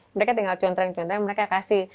mereka tinggal conteng conteng mereka kasih